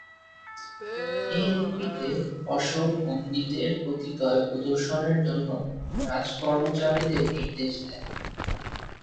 এ লিপিতে অশোক বন্দীদের প্রতি দয়া প্রদর্শনের জন্য রাজকর্মচারীদের নির্দেশ দেন।